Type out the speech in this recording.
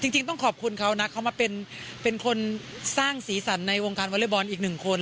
จริงต้องขอบคุณเขานะเขามาเป็นคนสร้างสีสันในวงการวอเล็กบอลอีกหนึ่งคน